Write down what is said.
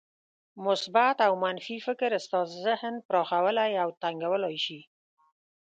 مثبت او منفي فکر ستاسې ذهن پراخولای او تنګولای شي.